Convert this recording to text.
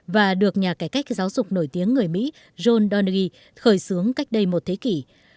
và được nhà cải cách giáo dục nổi tiếng người mỹ john donaghy khởi xướng cách đây một thế kỷ